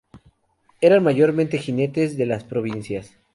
Eran mayormente jinetes de las provincias.